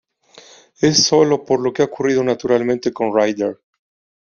Es sólo por lo que ha ocurrido naturalmente con "Right There".